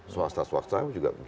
swasta swakta juga begitu